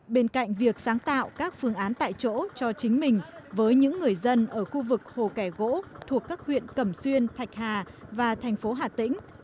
bên cạnh việc sáng tạo các phương án tại chỗ cho chính mình với những người dân ở khu vực hồ kẻ gỗ thuộc các huyện cẩm xuyên thạch hà và thành phố hà tĩnh